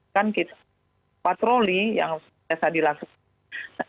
kan patroli yang biasa dilakukan